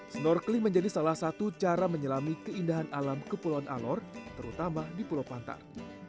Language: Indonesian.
snorkeling menjadi salah satu cara menyelami keindahan alam kepulauan alor terutama di pulau pantar